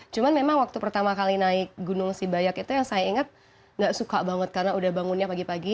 cuma memang waktu pertama kali naik gunung sibayak itu yang saya ingat nggak suka banget karena udah bangunnya pagi pagi